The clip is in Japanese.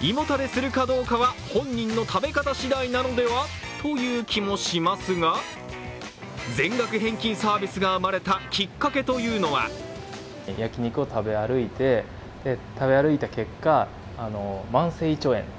胃もたれするかどうかは本人の食べ方次第なのではという気もしますが全額返金サービスが生まれたきっかけというのは社長の実体験だったのです。